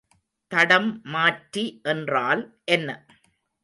தடம் மாற்றி என்றால் என்ன?